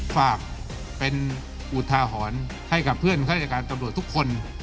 ฝากเป็นอุทาหรณ์ให้กับเพื่อนข้าราชการตำรวจทุกคน